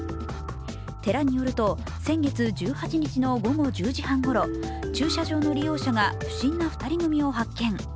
寺によると先月１８日の午後１０時半ごろ、駐車場の利用者が不審な２人組を発見。